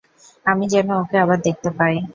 আমি যেন ওকে আবার দেখতে পাই।